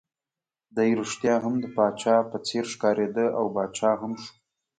دی ريښتیا هم د پاچا په څېر ښکارېد، او پاچا هم شو.